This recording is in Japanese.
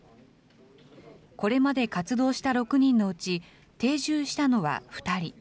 これまで活動した６人のうち、定住したのは２人。